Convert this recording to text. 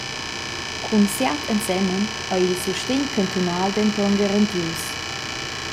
Cun Siat ensemen ei il sustegn cantunal denton garantius.